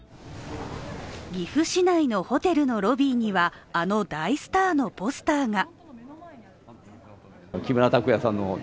岐阜市内のホテルのロビーにはあの大スターのポスターが。